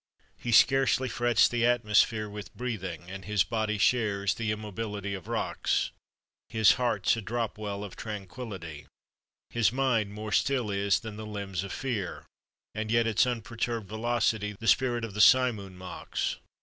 He scarcely frets the atmosphere With breathing, and his body shares The immobility of rocks; His heart's a drop well of tranquillity; His mind more still is than the limbs of fear, And yet its unperturbed velocity The spirit of the simoon mocks.